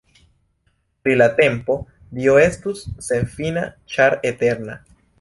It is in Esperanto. Pri la tempo, Dio estus senfina ĉar eterna.